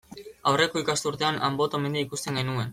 Aurreko ikasturtean Anboto mendia ikusten genuen.